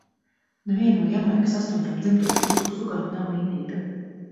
Neviena no Jamaikas astoņām dzimto čūsku sugām nav indīga.